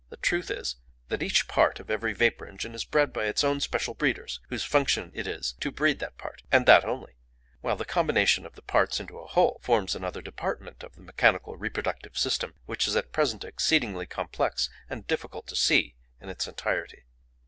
The truth is that each part of every vapour engine is bred by its own special breeders, whose function it is to breed that part, and that only, while the combination of the parts into a whole forms another department of the mechanical reproductive system, which is at present exceedingly complex and difficult to see in its entirety.